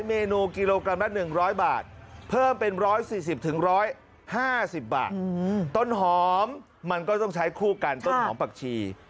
มันก็ต้องใช้คู่กันต้นหอมปักชี